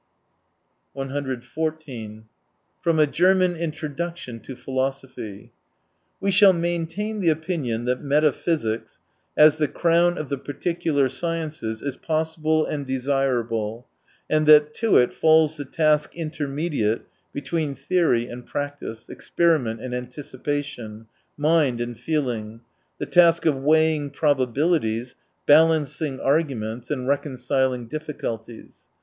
121 "4 From a Gerrcian Introduction to Philosophy. —" We shall maintain the opinion that meta physics, as the crown of the particular sciences, is possible and desirable, and that to it falls the task intermediate between theory and practice, experiment and anticipa tion, mind and feeling, the task of weighing probabilities, balancing arguments, and reconciling difficulties."